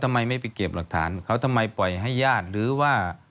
ทำไมไม่ไปเก็บหลักฐานเขาทำไมปล่อยให้ญาติหรือว่า